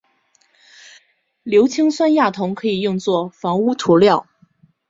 硫氰酸亚铜可以用作防污涂料。